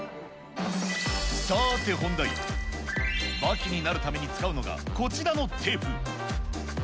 さあて本題、刃牙になるために使うのが、こちらのテープ。